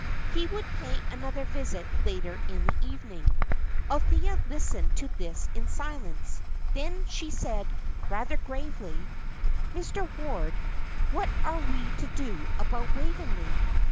He would pay another visit later in the evening. Althea listened to this in silence; then she said, rather gravely, "Mr. Ward, what are we to do about Waveney?